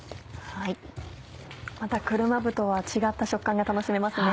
また車麩とは違った食感が楽しめますね。